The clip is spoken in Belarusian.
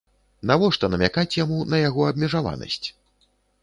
Навошта намякаць яму на яго абмежаванасць?